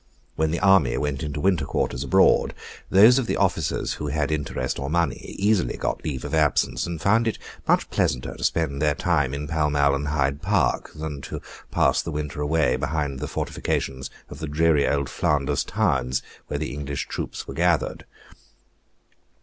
When the army went into winter quarters abroad, those of the officers who had interest or money easily got leave of absence, and found it much pleasanter to spend their time in Pall Mall and Hyde Park, than to pass the winter away behind the fortifications of the dreary old Flanders towns, where the English troops were gathered.